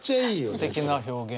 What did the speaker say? すてきな表現。